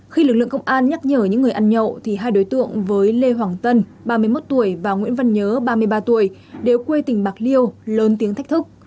khi lực lượng công an nhắc nhở những người ăn nhậu thì hai đối tượng với lê hoàng tân ba mươi một tuổi và nguyễn văn nhớ ba mươi ba tuổi đều quê tỉnh bạc liêu lớn tiếng thách thức